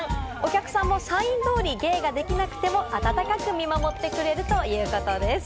お客さんもサイン通り、芸ができなくても温かく見守ってくれるということです。